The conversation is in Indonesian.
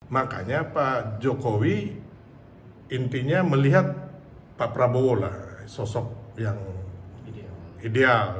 makanya pak jokowi intinya melihat pak prabowo lah sosok yang ideal